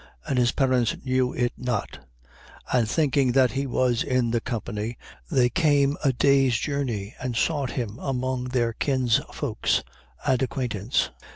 And his parents knew it not. 2:44. And thinking that he was in the company, they came a day's journey and sought him among their kinsfolks and acquaintance.